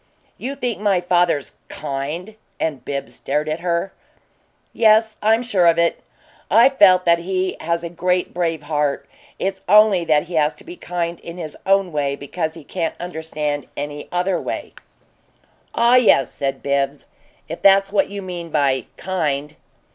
"You think my father's KIND?" And Bibbs stared at her. "Yes. I'm sure of it. I've felt that he has a great, brave heart. It's only that he has to be kind in his own way because he can't understand any other way." "Ah yes," said Bibbs. "If that's what you mean by 'kind'!"